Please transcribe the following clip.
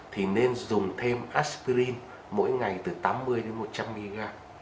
thì nên dùng thêm asperine mỗi ngày từ tám mươi đến một trăm linh mg